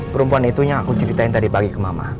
perempuan itu yang aku ceritain tadi pagi ke mama